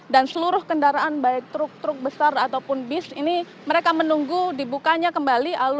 dan seluruh kendaraan baik truk truk besar ataupun bis ini mereka menunggu dibukanya kembali